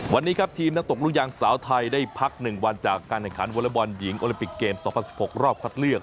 วันนี้ครับทีมนักตกลูกยางสาวไทยได้พักหนึ่งวันจากการแห่งขันวัลบอนหญิงโอลิปิกเกมสองพันสิบหกรอบคัดเลือก